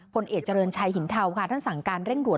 พลเอกเจริญชัยหินเทาค่ะท่านสั่งการเร่งด่วน